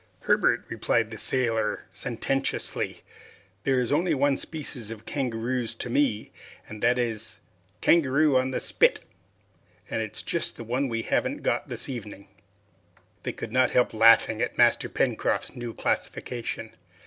"Herbert," replied the sailor sententiously, "there is only one species of kangaroos to me, that is 'kangaroo on the spit,' and it's just the one we haven't got this evening!" They could not help laughing at Master Pencroft's new classification.